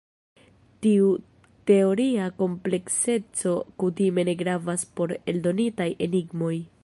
Tiu teoria komplekseco kutime ne gravas por eldonitaj enigmoj.